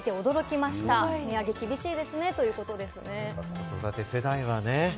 子育て世代はね。